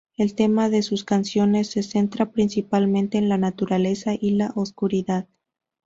El tema de sus canciones se centra principalmente en la naturaleza y la oscuridad.